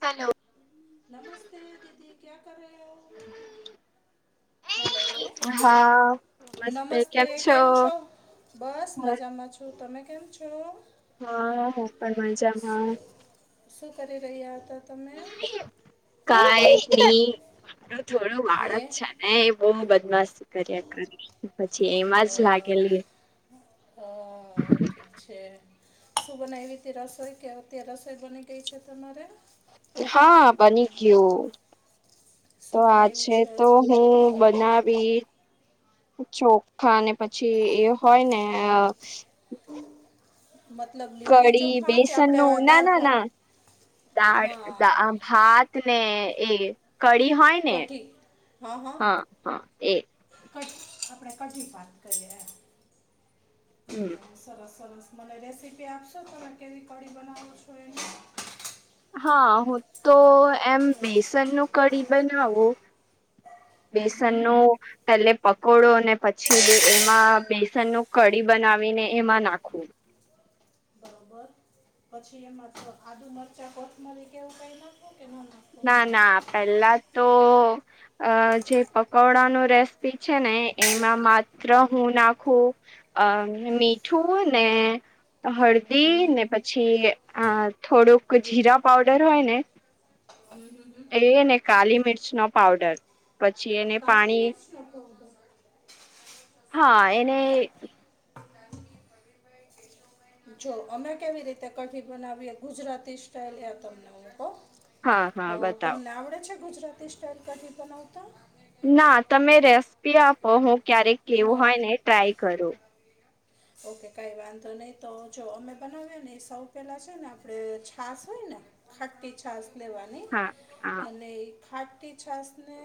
Hello નમસ્તે દીદી ક્યા કર રહ હો હેલો નમસ્તે કેમ છો બસ મજામાં છો તમે કેમ છો હા હ પણ મજામાં. શું કરી રહ્યા હતા તમે કઈ નઈ મારું થોડું વાળ હે જ છે એ એ બહ બદમાશ કર્યા કર પછી એમાં જ લાગેલી હ ઠીક છે શું બનાવીવી તે રસોઈ કે તે રસોઈ બની ગઈ છે તમારે હા બની ગયું તો શું આ બનાવ્યું છે તો આજ? હું ના બી ચોખા અને પછી એ હોય ને મતલબ લીટી કઢી ચોખા કે બેસન આપણે નું ના દાળ ના ભાત ના દાળ હા દા ભાત ને એ કઢી હોય ને કઢી હા હા એ પટ આપણે કઢી ભાત કરીએ. હમ સરસ- સરસ મને રેસીપી આપશો? તમે કેવી કઢી બનાવો છો એની હા. હું તો એમ બેસન નું કઢી બનાવું. હમ બેસન હમ. નું પેલે પકોડો ને પછી એમાં બેસન નું કઢી બનાવીને એમાં નાખવું. બરોબર પછી એમાં આદુ, મરચા, કોથમરી કેવું કઈ નાખું કે નો ના ના ના પેલા તો અ જે પકોડા ન રેસીપી છે ને એમાં માત્ર હું નાખું અ મીઠું ને હળદ દી હમ ને પછી થોડુંક જીરા પાવડર હોય ન [inaudible] એ ને કાલી મિરચ નો પાવડર, પછી એને પાણી [unintelligible] હા એને. કા- [inaudible] જો અમે કેવી રીતે કઢી બનાવીએ ગુજરાતી સ્ટાઈલ હે તમને હું કવ? હા હા હવ બતાવો તમને આવડે છે ગુજરાતી સ્ટાલ કઢી બનાવતા? ના તમે રેસીપી આપો. હું ક્યારેક કેવું અ, હોય ને ટ્રાય કરું. ઓકે કઈ વાંધો નહી. તો જો અમે બનાવએ ને સૌ પેલા છે ને આપડે છાસ હોય ને ખાટી છાસ લેવાની. હા આ અને એ ખાટી છાસ ને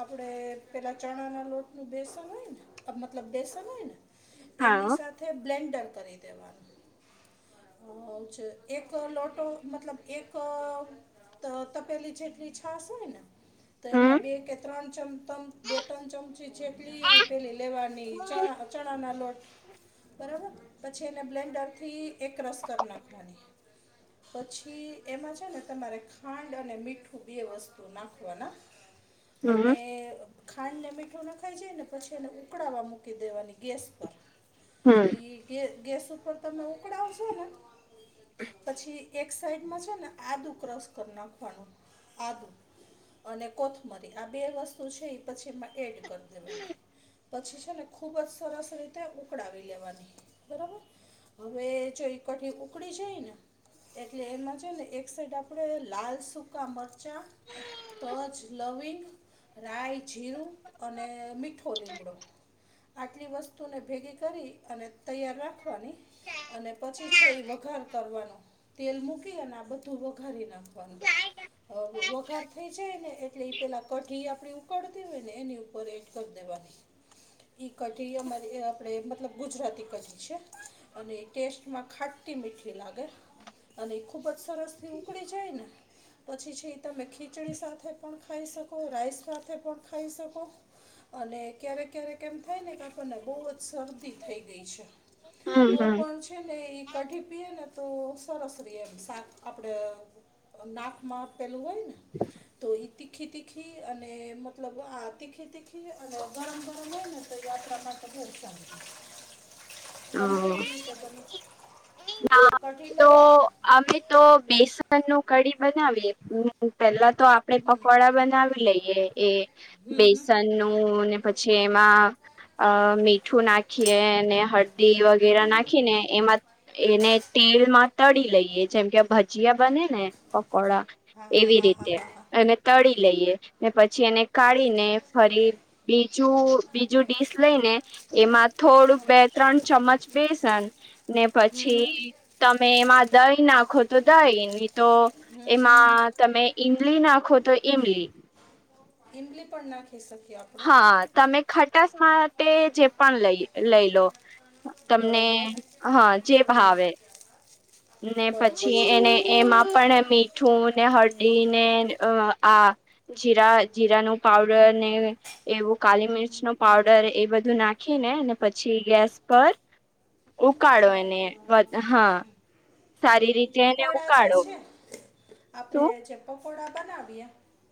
આપણેે પેલા ચણા ના લોટનું બેસન હોય ને મતલબ બેસન હોય ને એની હા સાથે બ્લેન્ડર કરી દેવાનું. [unintelligible] છે. એક લોટો મતલબ એક તો તપેલી જેટલી છાશ હોય ને? તો હમ એમાં બે કે ત્રણ ચમ તમ બે ત્રણ ચમચી જેટલી પેલી લેવાની. ચણા ચણા ના લો બરાબર પછી એને બ્લેન્ડર થી એક રસ કરી નાખવાની પછી એમાં છે ને તમારે ખાંડ અને મીઠું બે વસ્તુ નાખવાના. [inaudible] હમ અને ખાંડ ને મીઠું નાખાઈ જાય ને પછી એને ઉકળાવવા મૂકી દેવાની ગેસ પર હમ ઈ ગે ગેસ ઉપર તમે ઉકળાવશો ને પછી એક સાઈડમાં છે ને આદુ ક્રોસ કરી નાખવાનું, આદુ અને કોથમરી આ બે વસ્તુ છે એ પછી એમાં એડ કરી દેવાની. પછી છે ને ખુબ જ સરસ રીતે ઉકડાવે લેવાની બરાબર, હવે જો ઈ કઢી ઉકડી જાય ને એટલે એમાં છે ને એક સાઈડ આપડે લાલ સુક સુકા મિરચાં, તજ, લવિંગ, રાય, જીરું અને મીઠો લીમડો આટલી વસ્તુને ભેગી ક અને તૈયાર રાખવાની અને પછી છે, એ વઘાર કરવાનો તેલ મૂકી અને આ બધું વઘારી નાખવાનું. વઘાર થઈ જાય ને એટલે એ પેલા કઢી આપડે ઉકળતી હોય ને એની ઉપર કરદેવાની ઈ કઢી અમારી આપડે મતલબ ગુજરાતી કાઢી છે, અને એ ટેસ્ટમાં ખાટટી મીઠી લાગે અને એ ખુબ જ સરસ થી ઉકળી જાય ને પછી છે તમે ખીચડી સાથે પણ ખાઈ શકો રાઈસ સાથે પણ ખાઈ શકો અને ક્યારેક ક્યારેક એમ થાય ને કા આપણ ને બોવ જ શરદી થાય થ ગઈ છે, હમ તો હમ પણ છે. ને એ કઢી પીએ ને તો સરસ રએ એમ સાક આપણે નાકમાં પેલું હોયને તો ઈ તીખી તીખી અને મતલબ આ તીખી તીખી અને ગરમ ગરમ હોય ને, તો ઈ માટે બહુ ઊંચી તમે કે રીતે બને. ના તો, અમે તો બેસન નું કઢી બનાવીએ પેલા તો આપણે પકોડા બનાવી લઈએ એ હમ હમ બેસન નું ને પછી એમાં, અ મીઠું નાખીએ ને હળદી વગેરે નાખી ને એમાં એને તેલ માં તળી લઈએ જેમ કે, ભજીયા બને ને પકોડા એવી રીતે અને તળી લઈએ ને પછી એને કાઢીને ફરી બીજ બીજું ડીશ લઈ ને એમાં થોડું બે -ત્રણ ચમચ બેસન, ને હમ પછી હમ તમે એમાં દહીં નાખો તો દહીં નહી તો હમ એમાં, તમે ઈમલી નાખો તો ઈમલી, ઈમલી પણ ના ખાઈ શકીએ, આપણે હા તમે ખટાસ માટે જે પણ લઈ લઈ લો, તમને બરોબર હા જે હમ ભાવે ને બરોબર પછી છે એને એમાં પણ મીઠું ને હળદી ને આ, જીરા જીરા નું પાવડર ને, એવું કાલી મિરચ નો પાવડર એ બધું નાખીને અને પછી ગેસ પર, ઉકાળો ચડાઈ એને દેવાનું હા, સારી એ રીતે એને પકોડા જે ઉકાળો છે, આપડે શું જે પકોડા બનાવીએ.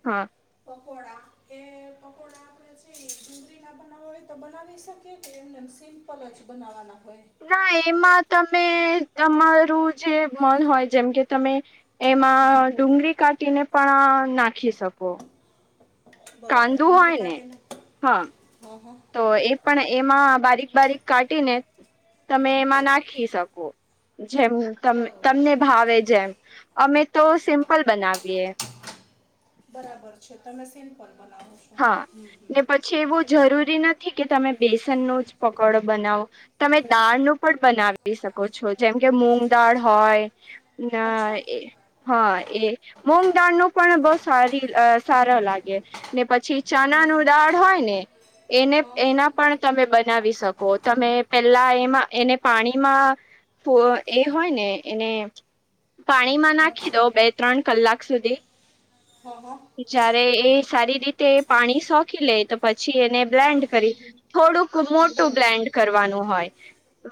હા, પકોડા એ પકોડા આપડે જે ડુંગરી ના બનાવવા હોય તો બનાવી શકીએ. કે એમને એમ સિમ્પલ જ બનાવવાના હોય. ના એમાં તમે તમારું જે મન હોય જેમ કે તમે, એમાં ડુંગળી કાપીને પણ નાખી શકો, બરોબર કાંદું હોય ડુંગળી ને કાઢીને હા હા હા તો એ, પણ એમાં બારીક બારીક કાઢીને. તમે એમાં નાખી શકો જેમકે, બરોબર તમને ભાવે જેમ અમે તો સિમ્પલ બનાવીએ, બરાબર છે, તમે સિમ્પલ બનાવો છો. હા ને પછી એવું જરૂરી નથી કે તમે બેસનનો જ પકોડો બનાવો. તમે દાળ ન પણ બનાવી શકો છો, જેમ કે મૂંગ દાળ હોય. ના અચ્છા એ. હા એ મગ દાળ ન પણ બહુ સારી સારો લાગે. ને પછી ચના ન દાળ હોય ને એને હા હા એના પણ. તમે બનાવી શકો તમે પેલા એમાં એને પાણીમાં, પ એ હોય ને એને, પાણીમાં નાખી મત- દો બે- ત્રણ કલાક સુધી, હા, હા. જયારે એ સારી રીતે પાણી સોકી લે તો પછી એને બ્લેન્ડ કરી થોડુંક. મોટું બરોબર બ્લેન્ડ કરવાનું હોય.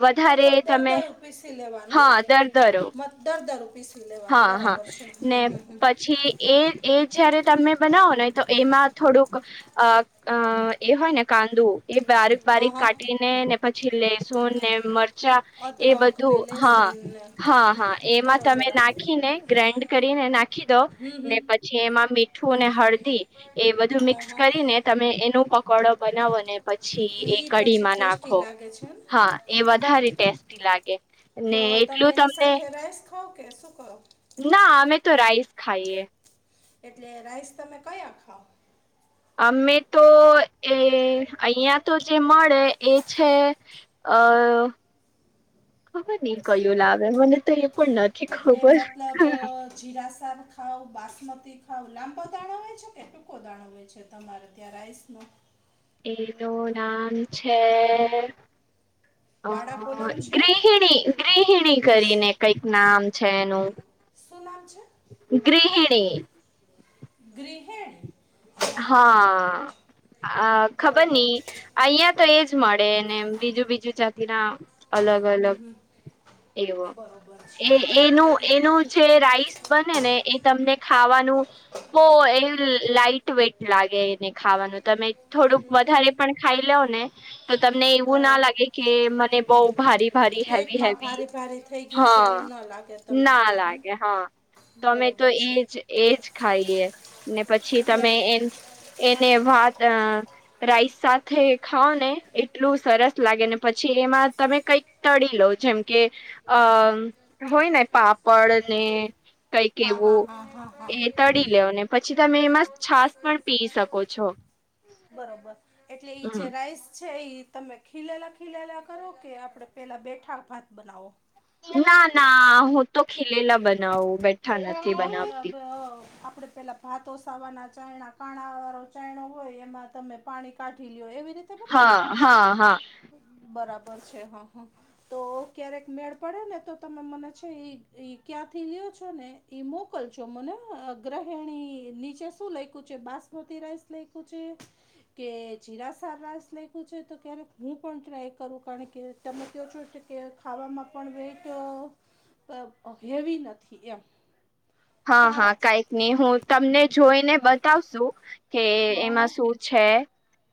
વધારે મતલબ તમે દરદરું પીસી લેવાનું ને હા દરદરો મત દરદરું પીસી લેવાનું હા. હા, બરાબર છે હમ ને હમ હમ. પછી એ એ જયારે તમે બનાવો તો એમાં થોડુંક અ એ હોય ને કાંદું એ બારીક હા બારીક હા કાઢીને, ને પછી લેસું ને મરચા, એ અદરક ને બધું હા, લહેસુન ને હા, હા એમાં તમે બરોબર હા. નાખીને ગ્રાઇન્ડ કરીને નાખી દો હમ હમ ને પછી એમાં મીઠું અને હળદી, એ બધું હા મિક્સ હા કરીને તમે એનો પકોડો બનાવો ને પછી એ ઈ પછી કઢીમાં ટેસ્ટી નાખો લાગે છે ને હા એ વધારે ટેસ્ટી લાગે, તો ને તમે એટલું એની તમને સાથે રાઈસ ખાવ કે શું કરો, ના અમે તો રાઇસ ખાઈએ એટલે રાઈસ તમે કયા ખાઓ અમે તો એ અહિયાં તો જે મળે એ છે અ ખબર નહી કયું લાવે મને તો એ પણ નથી કે એટલે ખબર હ મતલબ અ, જીરા સાર ખાાવ બાસમતી ખાાવ લાંબા દાણો હોય છે કે. કો દાણો હોય છે તમારે ત્યાં રાઇસનું એનું નામ છે. વાડા કોલમ છે ગૃહણી ગૃહિણી કરીને કઈક નામ છે એનું. શું નામ છે. ગૃહિણી. ગૃહિણી. હા અ ખબર બરોબર ની. અહિયાં તો એજ મળે ને બીજું બીજું ચતી ના અલગ અલગ એવો બરોબર છે એ એનું એટલે એનું જે રાઈસ બને ને એ તમને ખાવાનું બહુ એ લાઈટ. વેટ લાગે એને ખાવાનું તમે થોડુંક હમ, વધારે પણ ખાઈ લવ ને. તો તમને તો એવું ના લાગે કે મને બઉ ભારી. ભરી હેવી પેટમાં હેવી ભારે ભારે થઈ ગયું છે એવું હા ન લાગે તમને ના હં હં લાગે હા. તોમે તો બરોબર છે એજ એજ ખાઈએ ને પછી એટલે તમે એ એને વાત રાઈસ સાથે ખાઓ ને એટલું સરસ લાગેને પછી એમાં તમે કઈક તળી લો જેમ કે અ હોય ને પાપડ ને. કઈ હા હા કેવું હા હા હા એ તળી લેવ ને પછી તમે એ મસ્ત બરોબર એટલે એ જરા આઈસ છે તમે ખીલેલા ખીલેલા કરો કે આપડણે પેલા બેઠા ભાત બનાવો. ના ના હું તો ખીલેલા બનાવું બે મતલબ આપડે પહેલા હાથ સાવાના ચયણા કાણા વાળો ચયણો હોય એમાં તમે પાણી કાઢી લો એવી રીતે બનાવો ને હા હા હા. બરાબર છે હા હા તો ક્યારેક મેળ પડે ને તો તમે મને છે એ એ ક્યાંથી લ લોઓ છો ને એ મોકલશો મને ગૃહિણી નીચે શું લેખું છે બાસમતી રાઈસ લેકું છે. કે જીરા સા રાઇસ લેખું છે તો ક્યારે હું પણ ટ્રાય કરું કારણ કે તમે ક્યુ શો છે કે ખાવામાં પણ વેજ પર હેવી નથી નથી એમ હા હા સારા છે કઈક નહી હું તમને જોઈને બતાવશું કે હા હા એમાં શું? છે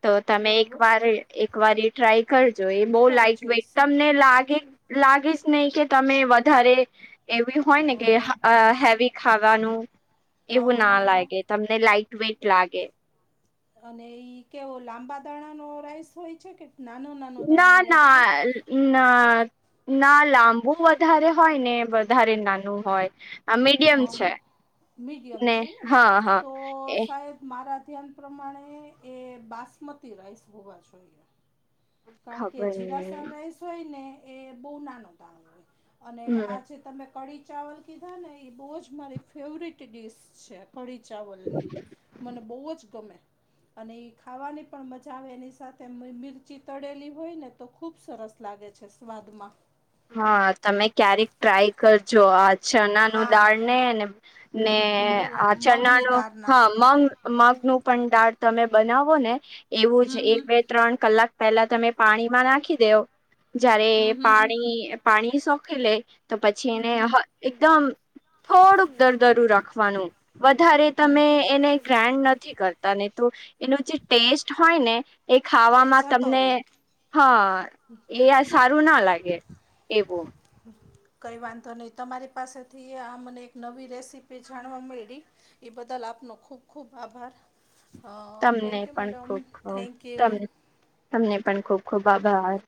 તો તમે એક બરોબર વાર એક વાર ટ્રાય કરજો એ બહુ કરી લાઈટ વેટ જોઈશ તમને લાગે લાગીશ નહી કે તમે વધારે એવી હોય ને કે હા હેવી ખાવાનું હા એવું હા ના હા હા લાગે તમને લાઈટ વેટ લાગે અને ઈ કેવો લાંબા દાણા ન રાઈસ હોય છે કે નાનો નાનો દાણો ના હોય છે. ના ના ના લાંબુ વધારે હોય ને વધારે નાનું હોય. આ હ મીડિયમ છે મીડિયમ છે ને હા હા તો એ સાહેબ મારા ધ્યાન પ્રમાણે એ બાસમતી રાઇસ હોવા જોઈએ. કારણ કે ખબર નહી જીરાસાર રાઈસ હોય ને એ બહુ નાનો દાણ હોય. અને હમ આ જેે તમે કઢી ચાવલ કીધા ને એ બહુ જ મારી ફેવરટ ડીશ છે. કડી ચાવલની મને બહુ જ ગમે અને એ ખાવાની પણ મજા આવે એની સાથે મિરચી તળેલી હોય ને તો ખૂબ સરસ લાગે છે સ્વાદમાં. હા તમે ક્યારેક ટ્રાય કરજો આ ચણા નુ હા દાળ ને ને. ને મગ આ મગની ચણાણું દાળના હા મમ. મગ નું પણ દાળ તમે બનાવો ને એવું જ હમ એ. હમ ત્રણ કલાક પહેલા તમે પાણીમાં નાખી દવ જયારે હમ હમ પા. હમ પાણી સોખી લે તો પછી એને. હમ હમ એકદમ થોડુંક દરદરું રાખવાનું વધારે તમે એને. ગ્રાન્ડ નથી કરતા ને તો એનું જે ટેસ્ટ હોય ને. એ ખાવામાં જતો તમને રહ્યો હા એ સારું ના લાગે. એવો. હ. કઈ વાંધો નહીિ તમારી પાસેથી આ મને એક નવી રેસીપી જાણવા મળ. એ બદલ આપનો ખુબ ખુબ આભાર. હ તમને થેન્ક યુ પણ મેડમ ખૂબ ખૂબ થેન્કયુ. તમ તમને પણ ખુબ ખુબ આભાર.